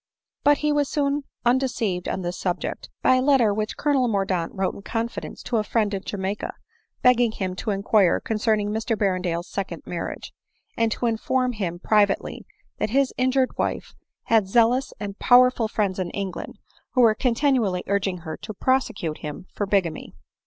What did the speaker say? But be was soon undeceived on this subject, by a let ter which Colonel Mordaunt wrote in confidence to a friend in Jamaica, begging him to inquire concerning Mr Berrendale's second marriage ; and to inform him pri vately that his injured wife bad zealous and powerful friends in England, who were continually urging her to prosecute him for bigamy.